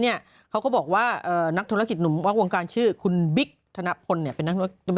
เนี่ยเขาก็บอกว่านักธุระกิจนุมวงกาลชื่อขุนบิ๊กธนาคนเนี่ยเป็นนัก